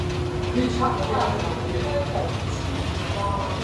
მეორე მსოფლიო ომის დაზიანდა ბაღი და მთლიანად დაინგრა საქსონური სასახლე.